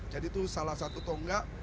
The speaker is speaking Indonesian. jadi itu salah satu tonggak